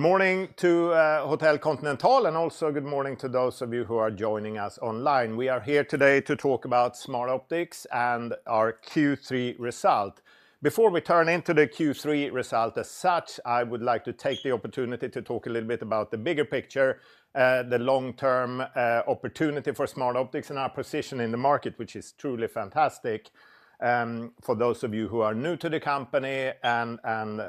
Good morning to, Hotel Continental and also good morning to those of you who are joining us online. We are here today to talk about Smartoptics and our Q3 result. Before we turn into the Q3 result as such, I would like to take the opportunity to talk a little bit about the bigger picture, the long-term, opportunity for Smartoptics and our position in the market, which is truly fantastic. For those of you who are new to the company and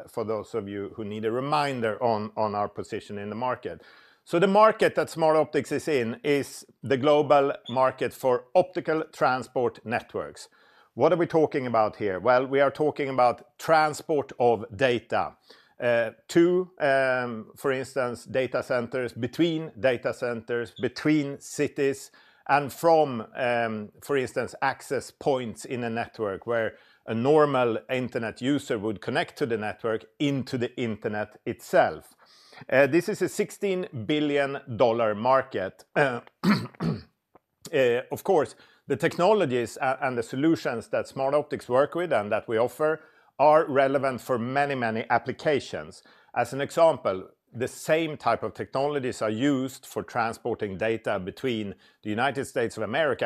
for those of you who need a reminder on our position in the market. So the market that Smartoptics is in is the global market for optical transport networks. What are we talking about here? Well, we are talking about transport of data to, for instance, data centers, between data centers, between cities, and from, for instance, access points in a network where a normal internet user would connect to the network into the internet itself. This is a $16 billion market. Of course, the technologies and the solutions that Smartoptics work with and that we offer are relevant for many, many applications. As an example, the same type of technologies are used for transporting data between the USA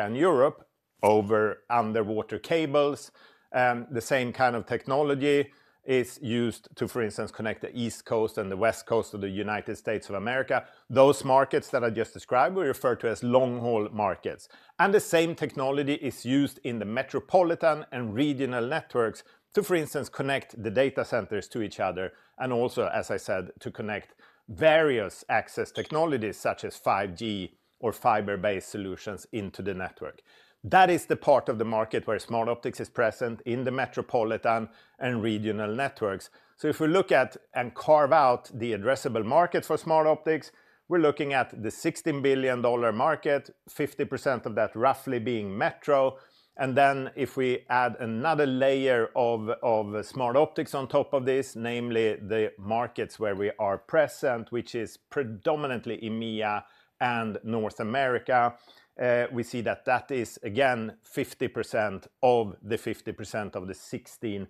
and Europe over underwater cables. The same kind of technology is used to, for instance, connect the East Coast and the West Coast of the USA. Those markets that I just described, we refer to as long-haul markets. The same technology is used in the metropolitan and regional networks to, for instance, connect the data centers to each other, and also, as I said, to connect various access technologies, such as 5G or fiber-based solutions into the network. That is the part of the market where Smartoptics is present in the metropolitan and regional networks. So if we look at and carve out the addressable market for Smartoptics, we're looking at the $16 billion market, 50% of that roughly being metro. And then if we add another layer of Smartoptics on top of this, namely the markets where we are present, which is predominantly EMEA and North America, we see that that is again, 50% of the 50% of the $16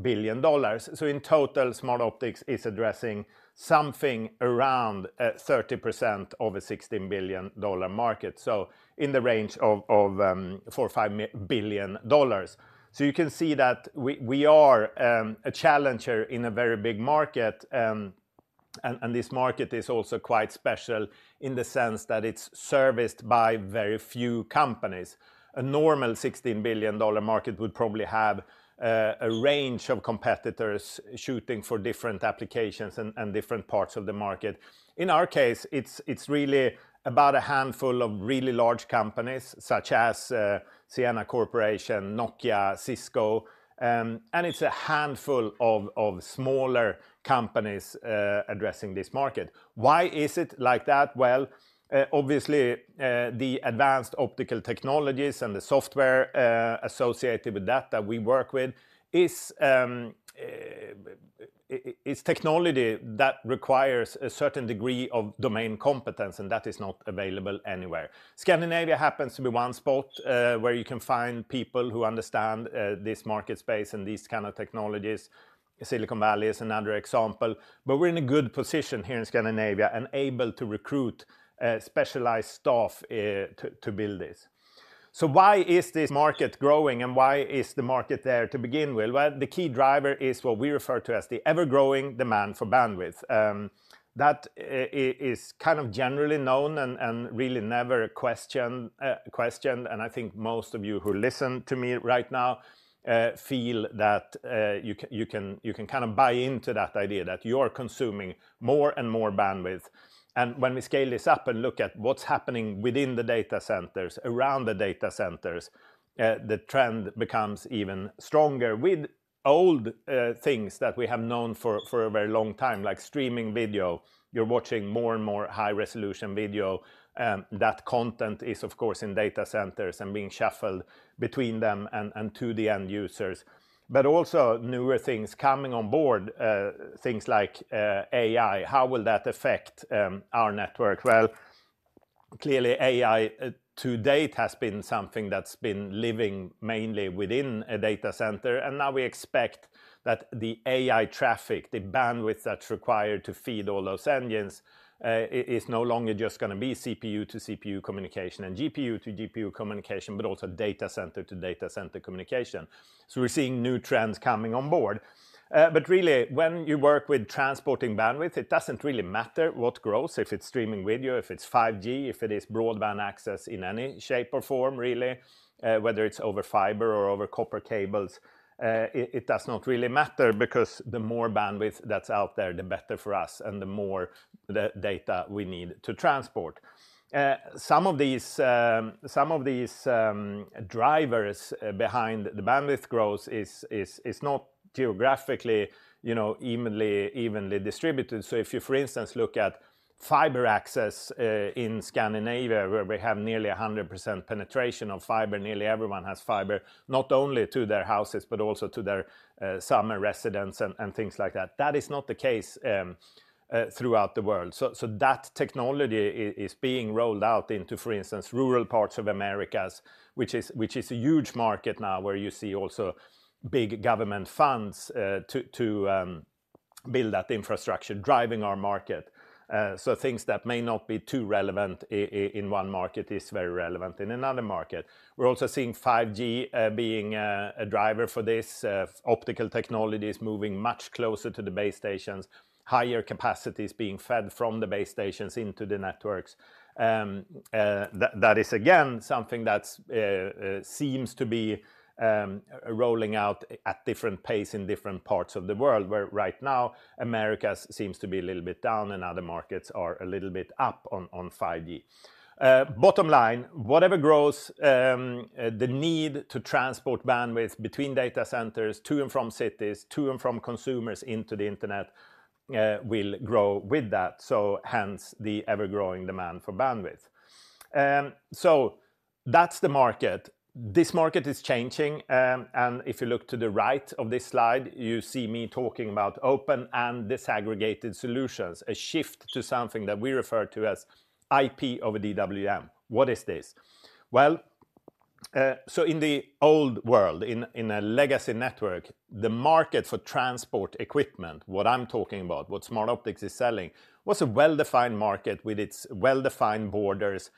billion. So in total, Smartoptics is addressing something around 30% of a $16 billion market, so in the range of $4 billion-5 billion. So you can see that we are a challenger in a very big market. This market is also quite special in the sense that it's serviced by very few companies. A normal $16 billion market would probably have a range of competitors shooting for different applications and different parts of the market. In our case, it's really about a handful of really large companies, such as Ciena Corporation, Nokia, Cisco, and it's a handful of smaller companies addressing this market. Why is it like that? Well, obviously, the advanced optical technologies and the software associated with that that we work with is, it's technology that requires a certain degree of domain competence, and that is not available anywhere. Scandinavia happens to be one spot where you can find people who understand this market space and these kind of technologies. Silicon Valley is another example. But we're in a good position here in Scandinavia and able to recruit specialized staff to build this. So why is this market growing, and why is the market there to begin with? Well, the key driver is what we refer to as the ever-growing demand for bandwidth. That is kind of generally known and really never questioned. I think most of you who listen to me right now feel that you can kind of buy into that idea that you are consuming more and more bandwidth. And when we scale this up and look at what's happening within the data centers, around the data centers, the trend becomes even stronger. With old things that we have known for a very long time, like streaming video, you're watching more and more high-resolution video. That content is, of course, in data centers and being shuffled between them and to the end users. But also newer things coming on board, things like AI. How will that affect our network? Well, clearly, AI to date has been something that's been living mainly within a data center. Now we expect that the AI traffic, the bandwidth that's required to feed all those engines, is no longer just gonna be CPU to CPU communication and GPU to GPU communication, but also data center to data center communication. So we're seeing new trends coming on board. But really, when you work with transporting bandwidth, it doesn't really matter what grows, if it's streaming video, if it's 5G, if it is broadband access in any shape or form, really, whether it's over fiber or over copper cables. It does not really matter because the more bandwidth that's out there, the better for us and the more the data we need to transport. Some of these drivers behind the bandwidth growth is not geographically, you know, evenly distributed. So if you, for instance, look at fiber access in Scandinavia, where we have nearly 100% penetration of fiber, nearly everyone has fiber, not only to their houses, but also to their summer residents and things like that. That is not the case throughout the world. So that technology is being rolled out into, for instance, rural parts of Americas, which is a huge market now where you see also big government funds to build that infrastructure, driving our market. So things that may not be too relevant in one market is very relevant in another market. We're also seeing 5G being a driver for this. Optical technology is moving much closer to the base stations, higher capacities being fed from the base stations into the networks. That is again something that seems to be rolling out at different pace in different parts of the world, where right now, Americas seems to be a little bit down and other markets are a little bit up on 5G. Bottom line, whatever grows, the need to transport bandwidth between data centers, to and from cities, to and from consumers into the internet, will grow with that, so hence, the ever-growing demand for bandwidth. So that's the market. This market is changing, and if you look to the right of this slide, you see me talking about open and disaggregated solutions, a shift to something that we refer to as IP over DWDM. What is this? Well, so in the old world, in a legacy network, the market for transport equipment, what I'm talking about, what Smartoptics is selling, was a well-defined market with its well-defined borders,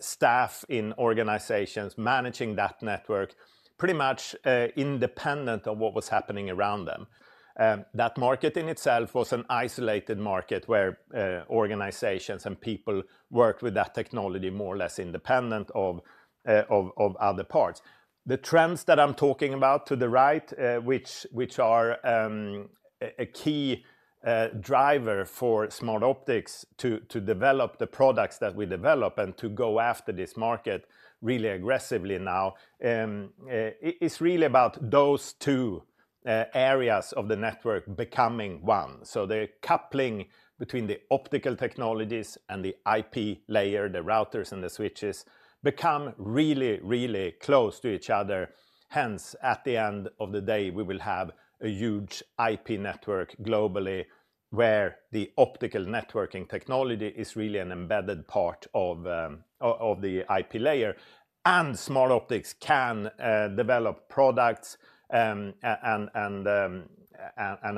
staff in organizations managing that network, pretty much, independent of what was happening around them. That market in itself was an isolated market where organizations and people worked with that technology more or less independent of other parts. The trends that I'm talking about to the right, which are a key driver for Smartoptics to develop the products that we develop and to go after this market really aggressively now, it's really about those two areas of the network becoming one. So the coupling between the optical technologies and the IP layer, the routers and the switches, become really, really close to each other. Hence, at the end of the day, we will have a huge IP network globally, where the optical networking technology is really an embedded part of the IP layer, and Smartoptics can develop products and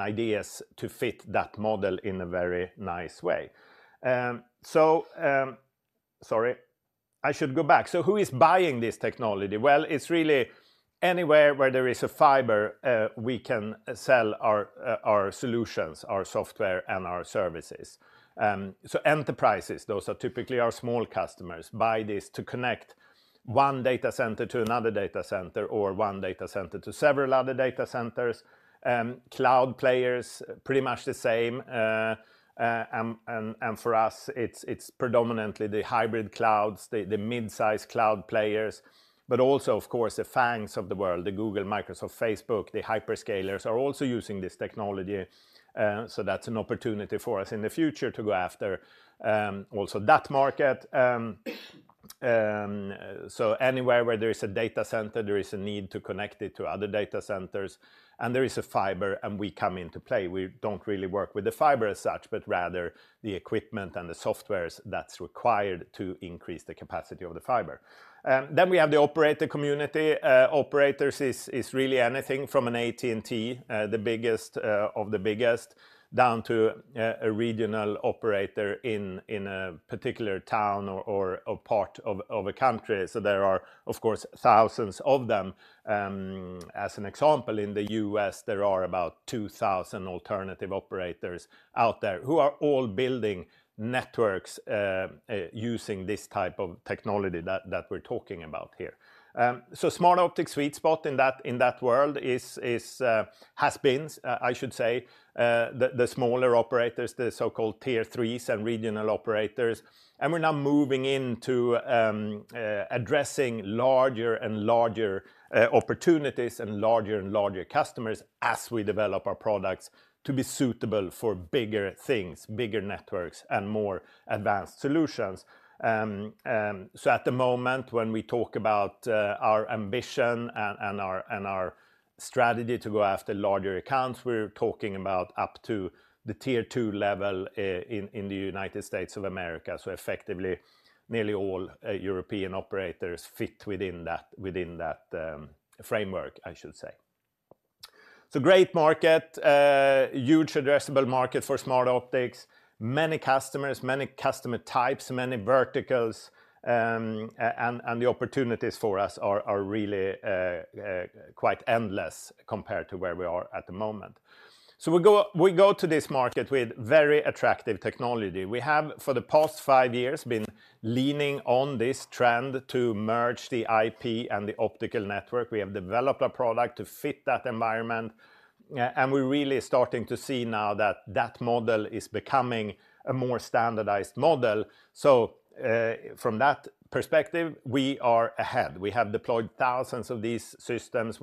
ideas to fit that model in a very nice way. Sorry, I should go back. So who is buying this technology? Well, it's really anywhere where there is a fiber, we can sell our solutions, our software, and our services. So enterprises, those are typically our small customers, buy this to connect one data center to another data center, or one data center to several other data centers. Cloud players, pretty much the same. And for us, it's predominantly the hybrid clouds, the mid-size cloud players, but also, of course, the FANGs of the world, the Google, Microsoft, Facebook, the hyperscalers are also using this technology. So that's an opportunity for us in the future to go after also that market. So anywhere where there is a data center, there is a need to connect it to other data centers, and there is a fiber, and we come into play. We don't really work with the fiber as such, but rather the equipment and the softwares that's required to increase the capacity of the fiber. And then we have the operator community. Operators is really anything from an AT&T, the biggest of the biggest, down to a regional operator in a particular town or a part of a country. So there are, of course, thousands of them. As an example, in the U.S., there are about 2,000 alternative operators out there who are all building networks, using this type of technology that we're talking about here. So Smartoptics' sweet spot in that world is, has been, I should say, the smaller operators, the so-called Tier Threes and regional operators. And we're now moving into addressing larger and larger opportunities and larger and larger customers as we develop our products to be suitable for bigger things, bigger networks, and more advanced solutions. So at the moment, when we talk about our ambition and our strategy to go after larger accounts, we're talking about up to the Tier Two level in the USA. So effectively, nearly all European operators fit within that framework, I should say. So great market, a huge addressable market for Smartoptics. Many customers, many customer types, many verticals, and the opportunities for us are really quite endless compared to where we are at the moment. So we go to this market with very attractive technology. We have, for the past five years, been leaning on this trend to merge the IP and the optical network. We have developed a product to fit that environment, and we're really starting to see now that that model is becoming a more standardized model. So, from that perspective, we are ahead. We have deployed thousands of these systems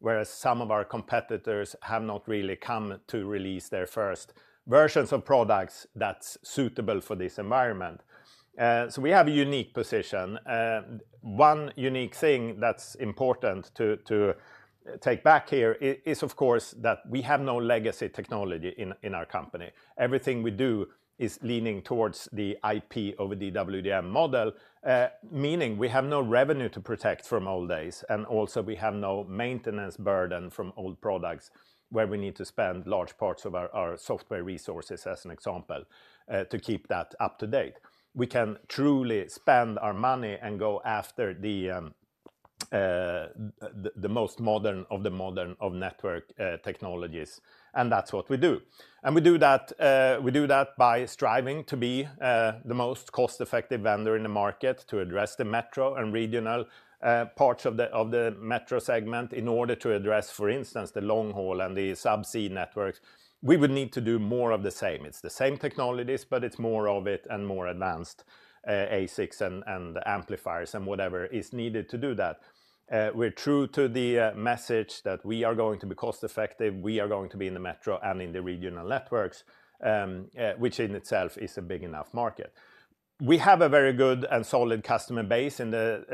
whereas some of our competitors have not really come to release their first versions of products that's suitable for this environment. So we have a unique position. One unique thing that's important to take back here is, of course, that we have no legacy technology in our company. Everything we do is leaning towards the IP over DWDM model, meaning we have no revenue to protect from old days, and also, we have no maintenance burden from old products, where we need to spend large parts of our software resources, as an example, to keep that up to date. We can truly spend our money and go after the most modern of the modern network technologies. And that's what we do. And we do that by striving to be the most cost-effective vendor in the market to address the metro and regional parts of the metro segment in order to address, for instance, the long haul and the subsea networks. We would need to do more of the same. It's the same technologies, but it's more of it and more advanced ASICs and amplifiers and whatever is needed to do that. We're true to the message that we are going to be cost-effective, we are going to be in the metro and in the regional networks, which in itself is a big enough market. We have a very good and solid customer base in the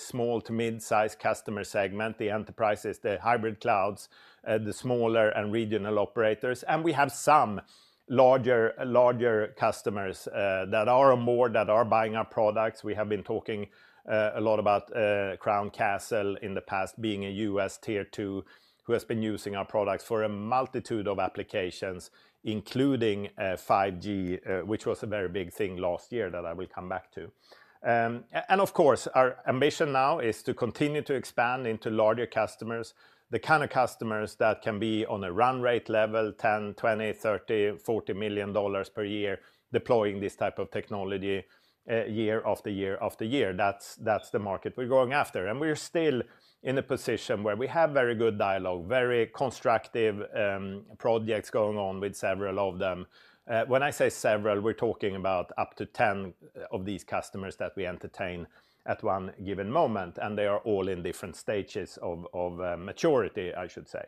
small to mid-size customer segment, the enterprises, the hybrid clouds, the smaller and regional operators, and we have some larger customers that are on board, that are buying our products. We have been talking a lot about Crown Castle in the past, being a US Tier Two, who has been using our products for a multitude of applications, including 5G, which was a very big thing last year that I will come back to. And, of course, our ambition now is to continue to expand into larger customers, the kind of customers that can be on a run rate level, $10-$40 million per year, deploying this type of technology year after year after year. That's the market we're going after. We're still in a position where we have very good dialogue, very constructive projects going on with several of them. When I say several, we're talking about up to 10 of these customers that we entertain at one given moment, and they are all in different stages of maturity, I should say.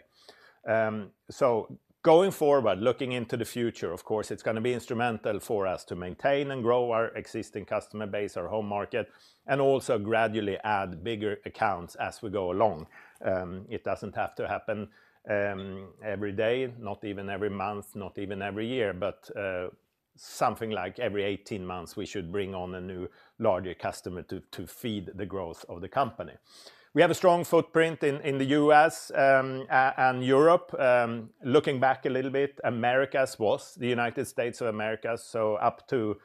So going forward, looking into the future, of course, it's gonna be instrumental for us to maintain and grow our existing customer base, our home market, and also gradually add bigger accounts as we go along. It doesn't have to happen every day, not even every month, not even every year, but something like every 18 months, we should bring on a new, larger customer to feed the growth of the company. We have a strong footprint in the US and Europe. Looking back a little bit, Americas was the USA. So up to,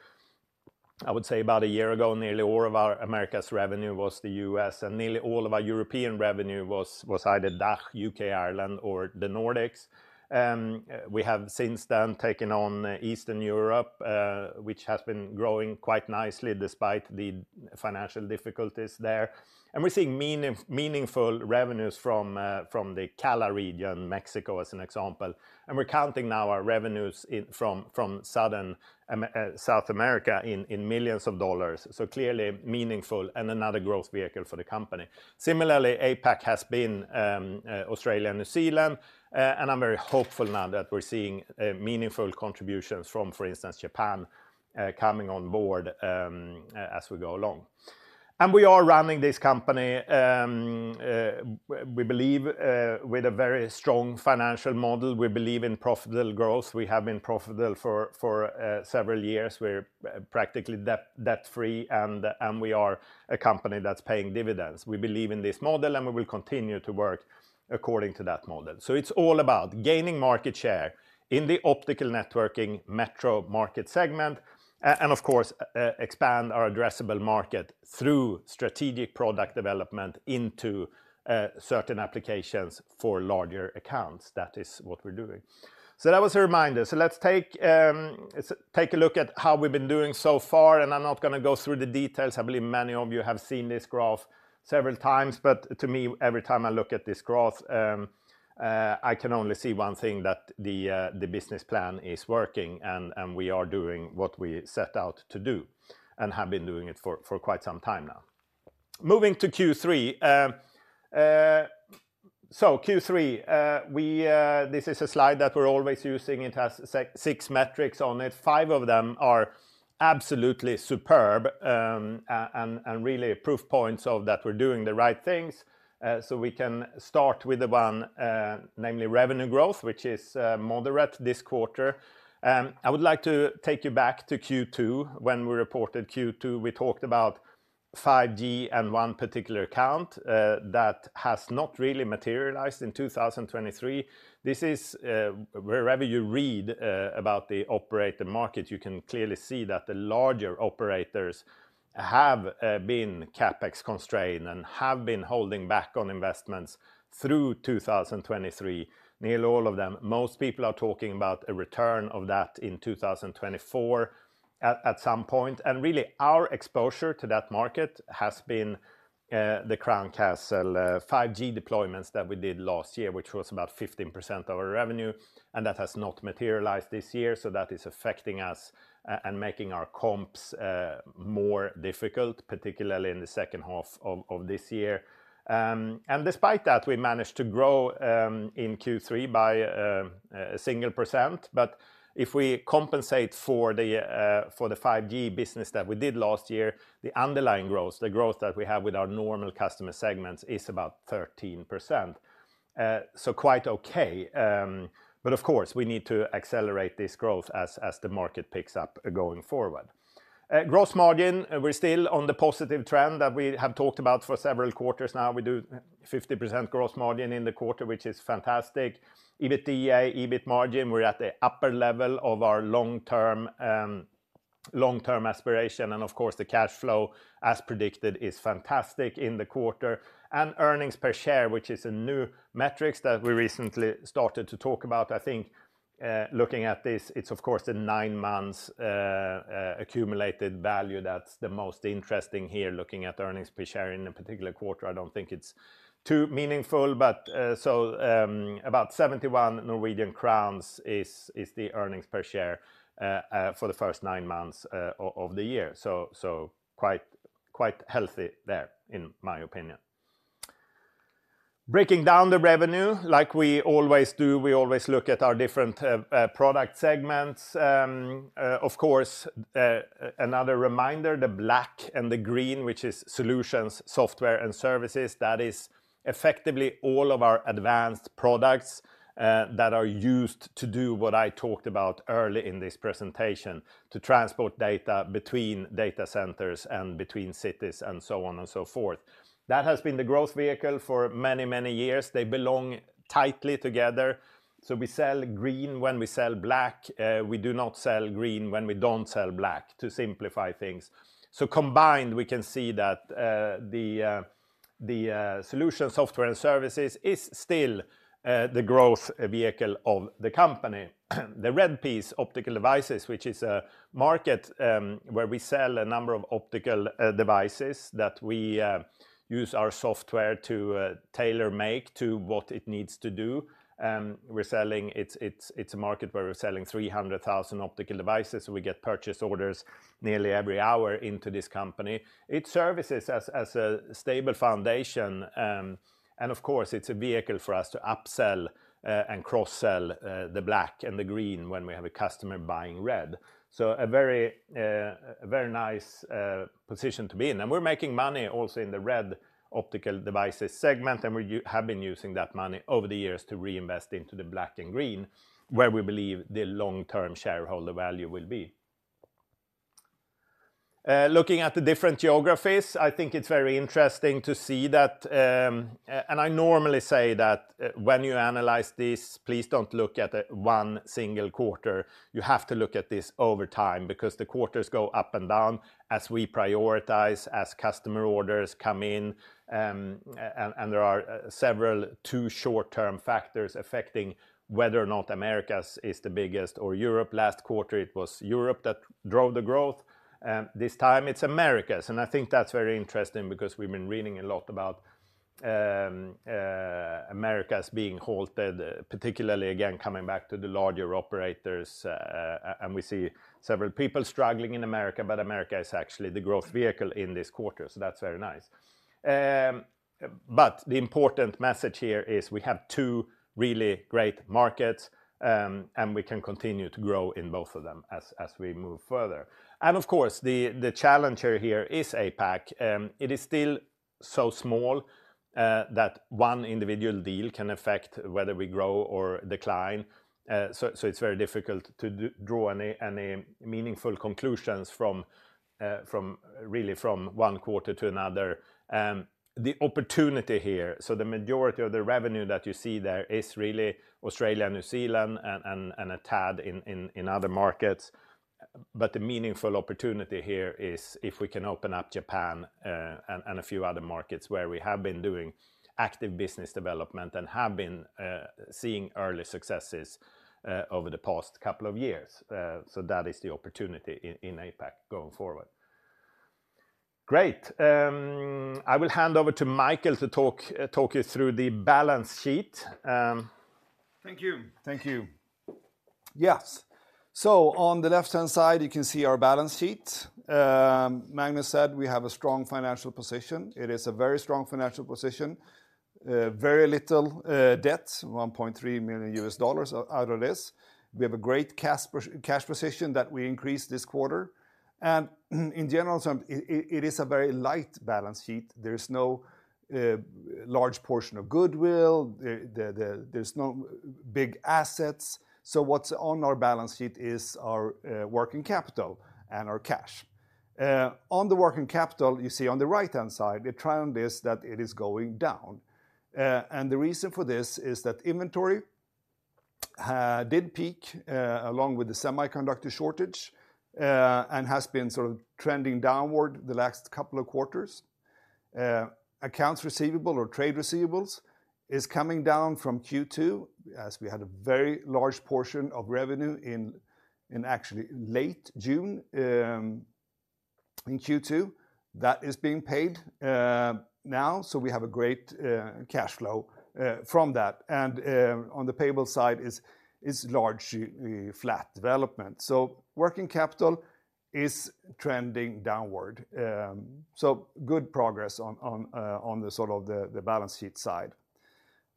I would say, about a year ago, nearly all of our Americas revenue was the US, and nearly all of our European revenue was either DACH, UK, Ireland, or the Nordics. We have since then taken on Eastern Europe, which has been growing quite nicely despite the financial difficulties there. And we're seeing meaningful revenues from the CALA region, Mexico, as an example. And we're counting now our revenues from South America in millions of dollars. So clearly meaningful and another growth vehicle for the company. Similarly, APAC has been Australia and New Zealand, and I'm very hopeful now that we're seeing meaningful contributions from, for instance, Japan, coming on board, as we go along. We are running this company, we believe, with a very strong financial model. We believe in profitable growth. We have been profitable for several years. We're practically debt, debt-free, and we are a company that's paying dividends. We believe in this model, and we will continue to work according to that model. So it's all about gaining market share in the optical networking metro market segment and of course, expand our addressable market through strategic product development into certain applications for larger accounts. That is what we're doing. So that was a reminder. So let's take, let's take a look at how we've been doing so far, and I'm not gonna go through the details. I believe many of you have seen this graph several times, but to me, every time I look at this graph, I can only see one thing, that the business plan is working, and we are doing what we set out to do and have been doing it for quite some time now. Moving to Q3. So Q3, we... This is a slide that we're always using. It has six metrics on it. Five of them are absolutely superb, and really proof points of that we're doing the right things. So we can start with the one, namely revenue growth, which is moderate this quarter. I would like to take you back to Q2. When we reported Q2, we talked about 5G and one particular account that has not really materialized in 2023. This is, wherever you read about the operator market, you can clearly see that the larger operators have been CapEx-constrained and have been holding back on investments through 2023, nearly all of them. Most people are talking about a return of that in 2024 at some point. And really, our exposure to that market has been the Crown Castle 5G deployments that we did last year, which was about 15% of our revenue, and that has not materialized this year, so that is affecting us and making our comps more difficult, particularly in the H2 of this year. And despite that, we managed to grow in Q3 by 1%. But if we compensate for the 5G business that we did last year, the underlying growth, the growth that we have with our normal customer segments, is about 13%. So quite okay, but of course, we need to accelerate this growth as the market picks up going forward. Gross margin, we're still on the positive trend that we have talked about for several quarters now. We do 50% gross margin in the quarter, which is fantastic. EBITDA, EBIT margin, we're at the upper level of our long-term aspiration, and of course, the cash flow, as predicted, is fantastic in the quarter. And earnings per share, which is a new metric that we recently started to talk about. I think, looking at this, it's of course, the nine months accumulated value that's the most interesting here, looking at earnings per share in a particular quarter. I don't think it's too meaningful, but so, about 71 Norwegian crowns is the earnings per share for the first nine months of the year. So quite healthy there, in my opinion. Breaking down the revenue, like we always do, we always look at our different product segments. Of course, another reminder, the black and the green, which is solutions, software, and services, that is effectively all of our advanced products that are used to do what I talked about early in this presentation, to transport data between data centers and between cities and so on and so forth. That has been the growth vehicle for many, many years. They belong tightly together, so we sell green when we sell black. We do not sell green when we don't sell black, to simplify things. So combined, we can see that the solution, software and services is still the growth vehicle of the company. The red piece, optical devices, which is a market where we sell a number of optical devices that we use our software to tailor-make to what it needs to do. We're selling. It's a market where we're selling 300,000 optical devices. We get purchase orders nearly every hour into this company. It serves as a stable foundation, and of course, it's a vehicle for us to upsell and cross-sell the black and the green when we have a customer buying red. So a very nice position to be in. And we're making money also in the red optical devices segment, and we have been using that money over the years to reinvest into the black and green, where we believe the long-term shareholder value will be. Looking at the different geographies, I think it's very interesting to see that. And I normally say that, when you analyze this, please don't look at one single quarter. You have to look at this over time, because the quarters go up and down as we prioritize, as customer orders come in, and there are two short-term factors affecting whether or not Americas is the biggest or Europe. Last quarter, it was Europe that drove the growth, and this time it's Americas. And I think that's very interesting because we've been reading a lot about Americas being halted, particularly, again, coming back to the larger operators, and we see several people struggling in America, but America is actually the growth vehicle in this quarter, so that's very nice. But the important message here is we have two really great markets, and we can continue to grow in both of them as we move further. And of course, the challenger here is APAC. It is still so small that one individual deal can affect whether we grow or decline. So it's very difficult to draw any meaningful conclusions from, really from one quarter to another. The opportunity here, so the majority of the revenue that you see there is really Australia, New Zealand, and a tad in other markets. But the meaningful opportunity here is if we can open up Japan and a few other markets where we have been doing active business development and have been seeing early successes over the past couple of years. So that is the opportunity in APAC going forward. Great. I will hand over to Mikael to talk you through the balance sheet. Thank you. Thank you. Yes. So on the left-hand side, you can see our balance sheet. Magnus said we have a strong financial position. It is a very strong financial position. Very little debt, $1.3 million out of this. We have a great cash position that we increased this quarter. It is a very light balance sheet. There is no large portion of goodwill. There's no big assets. So what's on our balance sheet is our working capital and our cash. On the working capital, you see on the right-hand side, the trend is that it is going down. And the reason for this is that inventory did peak along with the semiconductor shortage and has been sort of trending downward the last couple of quarters. Accounts receivable or trade receivables is coming down from Q2, as we had a very large portion of revenue in actually late June, in Q2. That is being paid now, so we have a great cash flow from that. And on the payable side is large flat development. So working capital is trending downward. So good progress on the sort of the balance sheet side.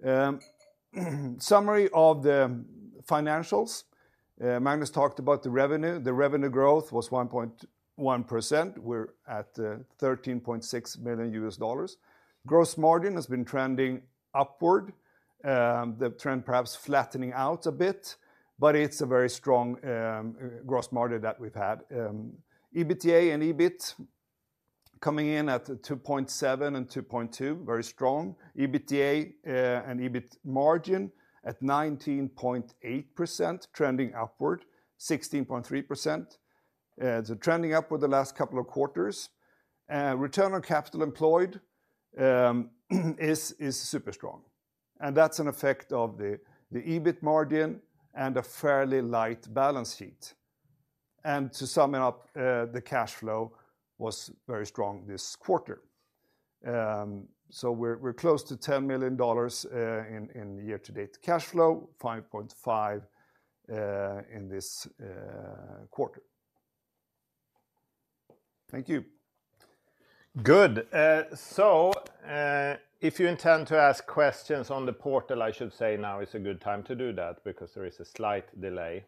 Summary of the financials. Magnus talked about the revenue. The revenue growth was 1.1%. We're at $13.6 million. Gross margin has been trending upward, the trend perhaps flattening out a bit, but it's a very strong gross margin that we've had. EBITDA and EBIT- ... coming in at 2.7 and 2.2, very strong. EBITDA and EBIT margin at 19.8%, trending upward, 16.3%. So trending upward the last couple of quarters. Return on capital employed is super strong, and that's an effect of the EBIT margin and a fairly light balance sheet. And to sum it up, the cash flow was very strong this quarter. So we're close to $10 million in year-to-date cash flow, $5.5 million in this quarter. Thank you. Good. So if you intend to ask questions on the portal, I should say now is a good time to do that because there is a slight delay.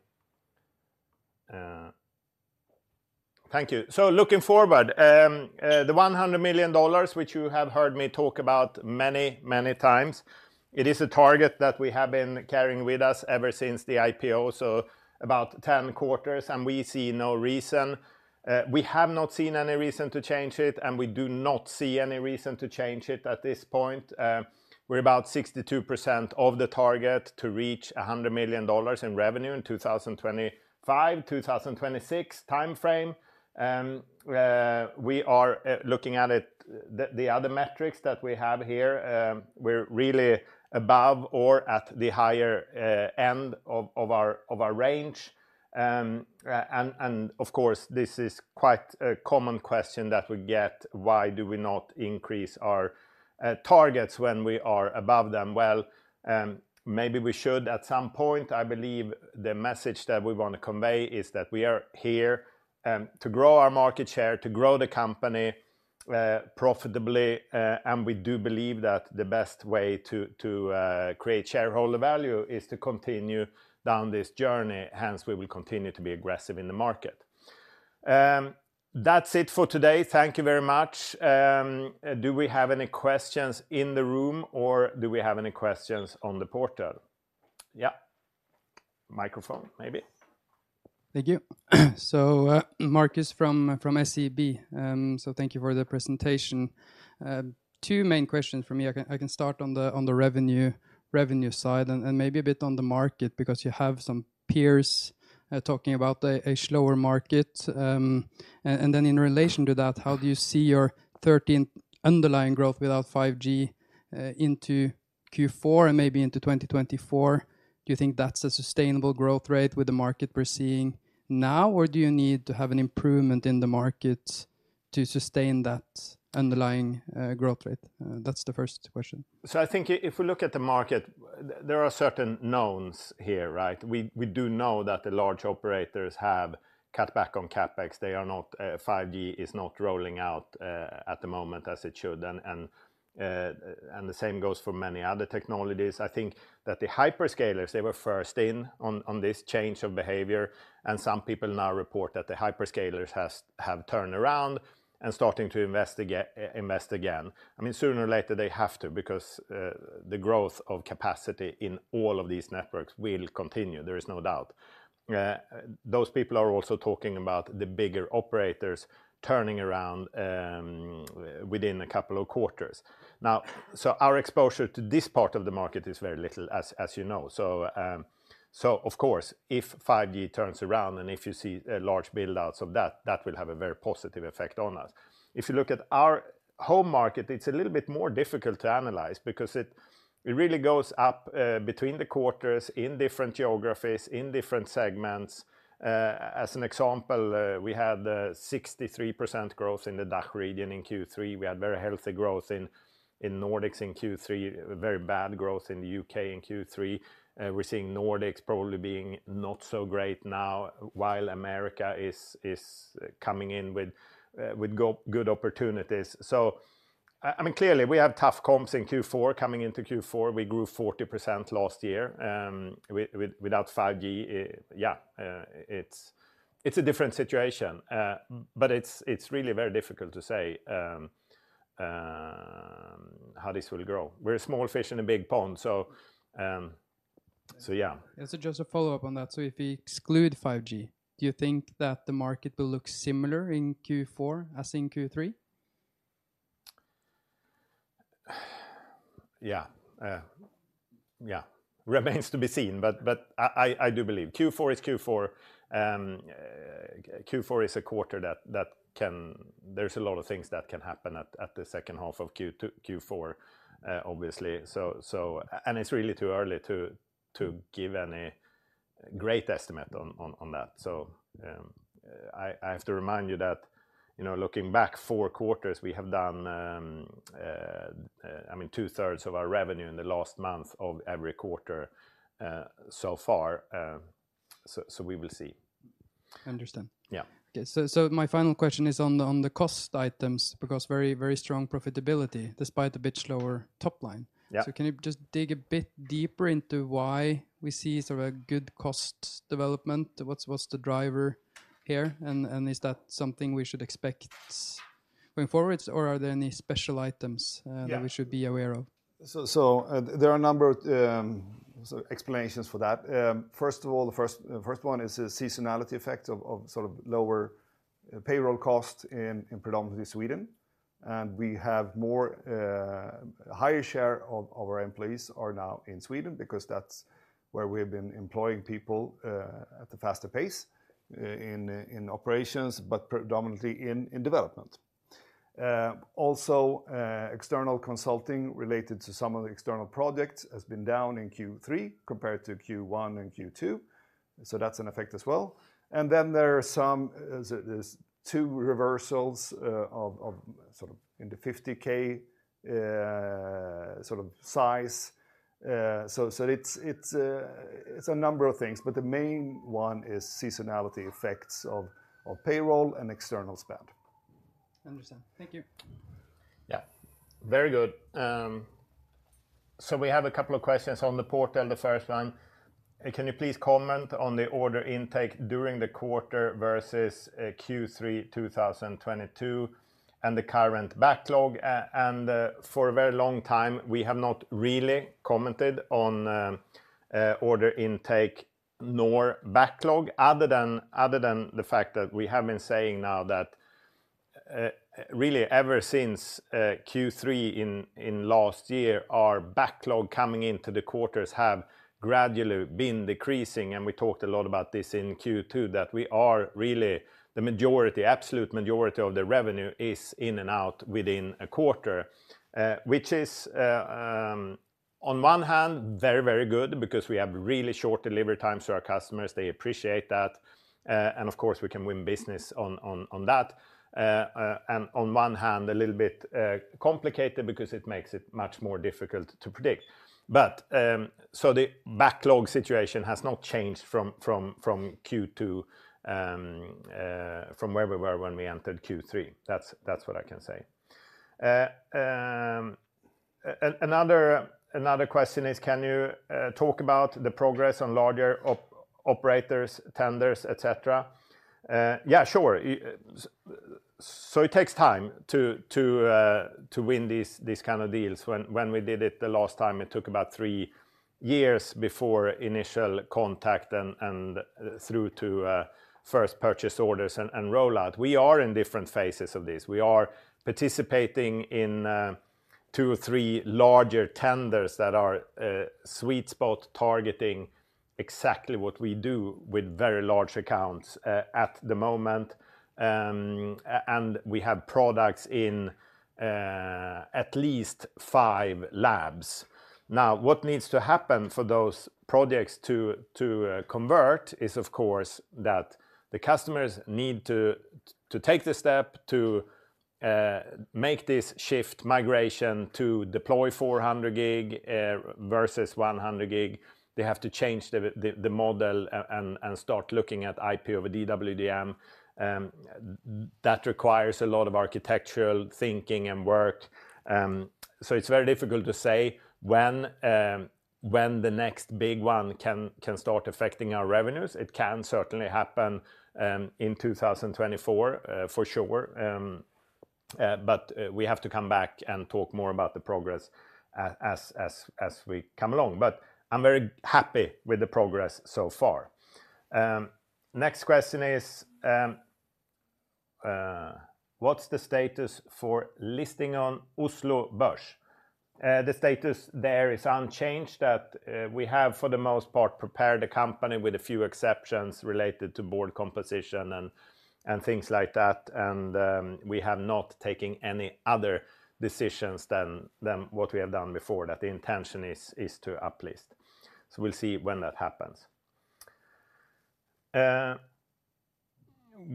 Thank you. So looking forward, the $100 million, which you have heard me talk about many, many times, it is a target that we have been carrying with us ever since the IPO, so about 10 quarters, and we see no reason to change it. We have not seen any reason to change it, and we do not see any reason to change it at this point. We're about 62% of the target to reach $100 million in revenue in 2025-2026 timeframe. We are looking at it, the other metrics that we have here, we're really above or at the higher end of our range. Of course, this is quite a common question that we get: Why do we not increase our targets when we are above them? Well, maybe we should at some point. I believe the message that we want to convey is that we are here to grow our market share, to grow the company profitably, and we do believe that the best way to create shareholder value is to continue down this journey, hence, we will continue to be aggressive in the market. That's it for today. Thank you very much. Do we have any questions in the room, or do we have any questions on the portal? Yeah. Microphone, maybe. Thank you. So, Marcus from SEB. So thank you for the presentation. Two main questions for me. I can start on the revenue side and maybe a bit on the market, because you have some peers talking about a slower market. And then in relation to that, how do you see your 13 underlying growth without 5G into Q4 and maybe into 2024? Do you think that's a sustainable growth rate with the market we're seeing now, or do you need to have an improvement in the market to sustain that underlying growth rate? That's the first question. So I think if we look at the market, there are certain knowns here, right? We do know that the large operators have cut back on CapEx. They are not 5G is not rolling out at the moment as it should. And the same goes for many other technologies. I think that the hyperscalers, they were first in on this change of behavior, and some people now report that the hyperscalers have turned around and starting to invest invest again. I mean, sooner or later, they have to because the growth of capacity in all of these networks will continue, there is no doubt. Those people are also talking about the bigger operators turning around within a couple of quarters. Now, so our exposure to this part of the market is very little, as, as you know. So, of course, if 5G turns around and if you see a large build-outs of that, that will have a very positive effect on us. If you look at our home market, it's a little bit more difficult to analyze because it, it really goes up between the quarters in different geographies, in different segments. As an example, we had a 63% growth in the DACH region in Q3. We had very healthy growth in Nordics in Q3, very bad growth in the UK in Q3. We're seeing Nordics probably being not so great now, while America is coming in with good opportunities. So, I mean, clearly, we have tough comps in Q4. Coming into Q4, we grew 40% last year without 5G. It's a different situation, but it's really very difficult to say how this will grow. We're a small fish in a big pond. And so just a follow-up on that. So if we exclude 5G, do you think that the market will look similar in Q4 as in Q3? Yeah, yeah. Remains to be seen, but I do believe Q4 is Q4. Q4 is a quarter that can... There's a lot of things that can happen at the H2 of Q4, obviously. So, and it's really too early to give any great estimate on that. So, I have to remind you that, you know, looking back four quarters, we have done, I mean, two-thirds of our revenue in the last month of every quarter, so far. So we will see. I Understand. Yeah. Okay, so my final question is on the cost items, because very, very strong profitability, despite a bit slower top line. Yeah. So can you just dig a bit deeper into why we see sort of a good cost development? What's, what's the driver here, and, and is that something we should expect going forward, or are there any special items? Yeah... that we should be aware of? So there are a number,... So explanations for that. First of all, the first one is the seasonality effect of sort of lower payroll costs in predominantly Sweden. And we have more higher share of our employees are now in Sweden, because that's where we've been employing people at a faster pace in operations, but predominantly in development. Also, external consulting related to some of the external projects has been down in Q3 compared to Q1 and Q2, so that's an effect as well. And then there are some, there's two reversals of sort of in the $50,000 sort of size. So it's a number of things, but the main one is seasonality effects of payroll and external spend. I Understand. Thank you. Yeah. Very good. So we have a couple of questions on the portal, the first one: Can you please comment on the order intake during the quarter versus Q3 2022, and the current backlog? And for a very long time, we have not really commented on order intake nor backlog, other than the fact that we have been saying now that really ever since Q3 in last year, our backlog coming into the quarters have gradually been decreasing. And we talked a lot about this in Q2, that we are really the majority, absolute majority of the revenue is in and out within a quarter. Which is on one hand, very, very good because we have really short delivery times to our customers. They appreciate that, and of course, we can win business on that. And on one hand, a little bit complicated because it makes it much more difficult to predict. But so the backlog situation has not changed from Q2, from where we were when we entered Q3. That's what I can say. Another question is, can you talk about the progress on larger operators, tenders, et cetera? Yeah, sure. So it takes time to win these kind of deals. When we did it the last time, it took about 3 years before initial contact and through to first purchase orders and rollout. We are in different phases of this. We are participating in two or three larger tenders that are sweet spot targeting exactly what we do with very large accounts at the moment. We have products in at least five labs. Now, what needs to happen for those projects to convert is, of course, that the customers need to take the step to make this shift migration to deploy 400 gig versus 100 gig. They have to change the model and start looking at IP over DWDM. That requires a lot of architectural thinking and work. So it's very difficult to say when the next big one can start affecting our revenues. It can certainly happen in 2024 for sure. But we have to come back and talk more about the progress as we come along. But I'm very happy with the progress so far. Next question is: What's the status for listing on Oslo Børs? The status there is unchanged, that we have, for the most part, prepared the company with a few exceptions related to board composition and things like that. And we have not taken any other decisions than what we have done before, that the intention is to uplist. So we'll see when that happens.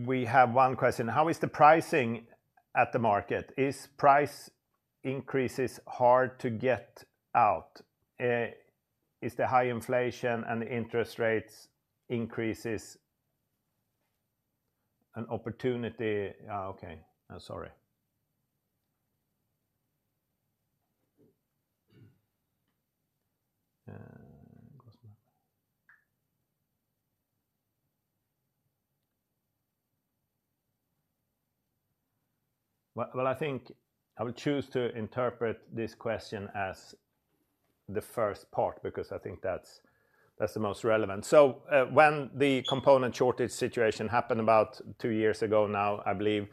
We have one question: How is the pricing at the market? Is price increases hard to get out? Is the high inflation and interest rates increases an opportunity? Okay, sorry. Well, well, I think I would choose to interpret this question as the first part, because I think that's the most relevant. So, when the component shortage situation happened about two years ago now, I believe,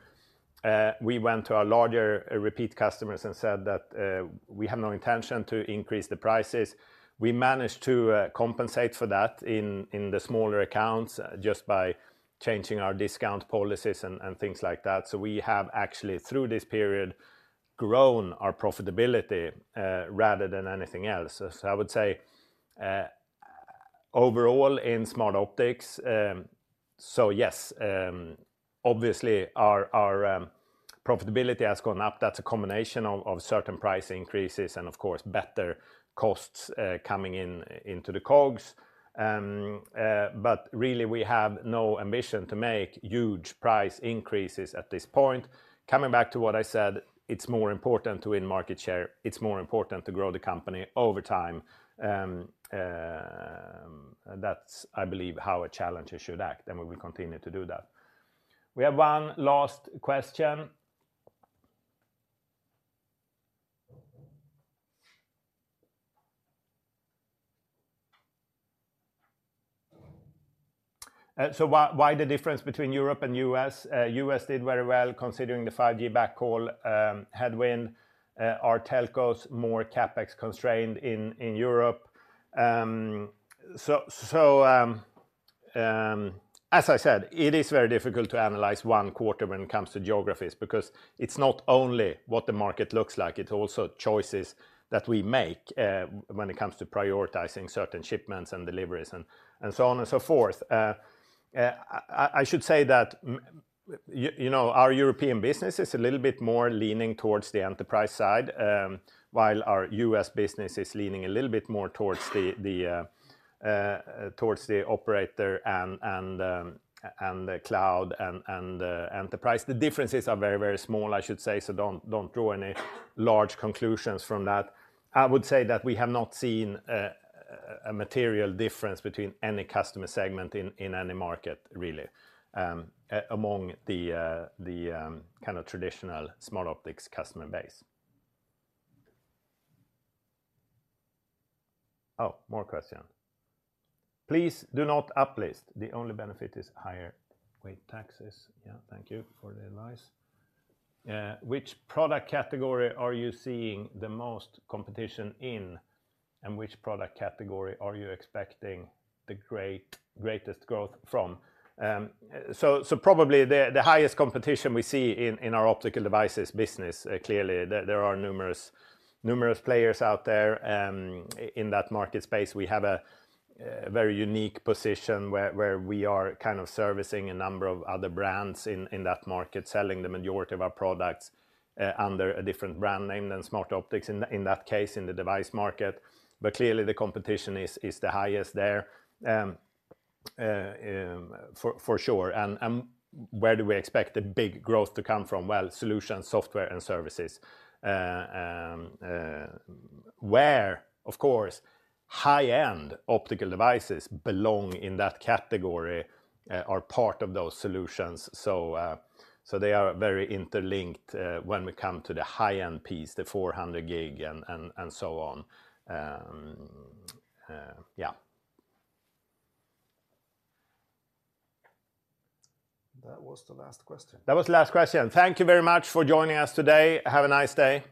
we went to our larger repeat customers and said that, we have no intention to increase the prices. We managed to, compensate for that in the smaller accounts, just by changing our discount policies and things like that. So we have actually, through this period, grown our profitability, rather than anything else. So I would say, overall, in Smartoptics, so yes, obviously our profitability has gone up. That's a combination of certain price increases and of course, better costs, coming in into the COGS. But really, we have no ambition to make huge price increases at this point. Coming back to what I said, it's more important to win market share. It's more important to grow the company over time. And that's, I believe, how a challenger should act, and we will continue to do that. We have one last question, so why, why the difference between Europe and US? US did very well considering the 5G backhaul, headwind. Our telcos more CapEx constrained in Europe. So, as I said, it is very difficult to analyze one quarter when it comes to geographies, because it's not only what the market looks like, it's also choices that we make, when it comes to prioritizing certain shipments and deliveries and so on and so forth. I should say that, you know, our European business is a little bit more leaning towards the enterprise side, while our U.S. business is leaning a little bit more towards the operator and the cloud and enterprise. The differences are very, very small, I should say, so don't draw any large conclusions from that. I would say that we have not seen a material difference between any customer segment in any market, really, among the kind of traditional Smartoptics customer base. Oh, more question. Please do not uplist. The only benefit is higher weight taxes. Yeah, thank you for the advice. Which product category are you seeing the most competition in, and which product category are you expecting the greatest growth from? So probably the highest competition we see in our optical devices business, clearly, there are numerous players out there in that market space. We have a very unique position where we are kind of servicing a number of other brands in that market, selling the majority of our products under a different brand name than Smartoptics, in that case, in the device market. But clearly, the competition is the highest there, for sure. Where do we expect the big growth to come from? Well, solutions, software, and services. Where, of course, high-end optical devices belong in that category, are part of those solutions. So, they are very interlinked, when we come to the high-end piece, the 400 gig and so on. Yeah. That was the last question. That was the last question. Thank you very much for joining us today. Have a nice day.